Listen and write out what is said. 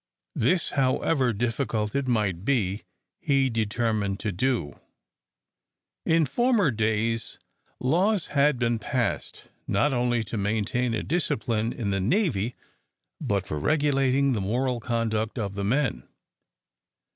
This, however difficult it might be, he determined to do. In former days laws had been passed, not only to maintain a discipline in the navy, but for regulating the moral conduct of the men.